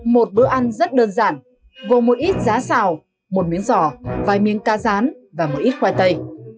một bữa ăn rất đơn giản gồm một ít giá xào một miếng giò vài miếng ca rán và một ít khoai tây